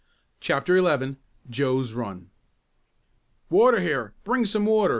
CHAPTER XI JOE'S RUN "Water here! Bring some water!"